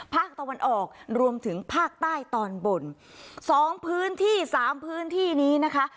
ภาคตะวันออกรวมถึงภาคใต้ตอนบนสองพื้นที่สามพื้นที่นี้นะคะ